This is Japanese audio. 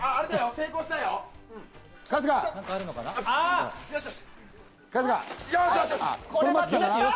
成功しましたよ？